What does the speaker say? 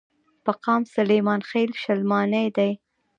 پۀ قام سليمان خيل، شلمانے دے ۔